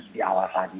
di awal tadi